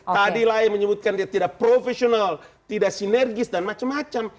tadi lay menyebutkan dia tidak profesional tidak sinergis dan macam macam